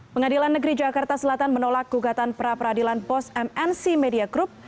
pengadilan negeri jakarta selatan menolak gugatan pra peradilan bos mnc media group